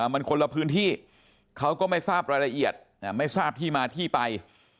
มันคนละพื้นที่เขาก็ไม่ทราบรายละเอียดไม่ทราบที่มาที่ไป